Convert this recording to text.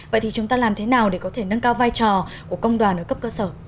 vậy thì chúng ta làm thế nào để có thể nâng cao vai trò của công đoàn ở cấp cơ sở